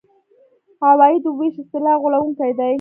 عوایدو وېش اصطلاح غولوونکې ده.